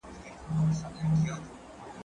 هغه څوک چي ليکنې کوي پوهه زياتوي؟